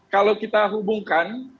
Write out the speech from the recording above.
kalau kita hubungkan